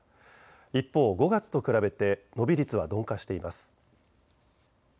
一方、５月と比べて伸び率は鈍化しています。